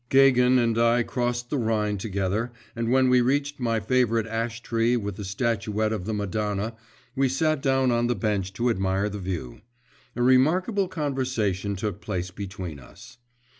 Gagin and I crossed the Rhine together, and when we reached my favourite ash tree with the statuette of the Madonna, we sat down on the bench to admire the view. A remarkable conversation took place between us.